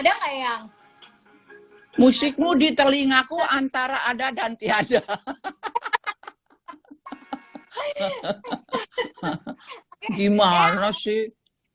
ada kayak musikmu di telingaku antara ada dan tiada hahaha hahaha gimana sih